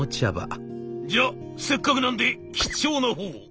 「じゃせっかくなんで貴重なほうを」。